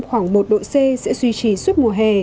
khoảng một độ c sẽ duy trì suốt mùa hè